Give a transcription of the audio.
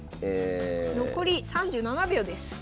残り３７秒です！